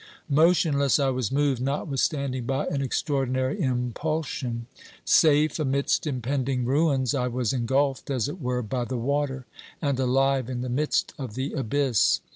Motionless, I was moved notwithstanding by an extraordinary impulsion. Safe amidst impending ruins, I was engulfed, as it were, by the water, and alive in the midst of the abyss.